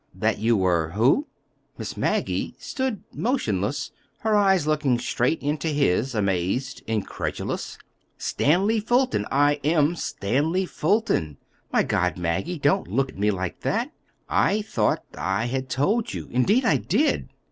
"That you were—who?" Miss Maggie stood motionless, her eyes looking straight into his, amazed incredulous. "Stanley Fulton. I am Stanley Fulton. My God! Maggie, don't look at me like that. I thought—I had told you. Indeed, I did!"